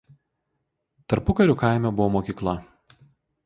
Tarpukariu kaime buvo mokykla.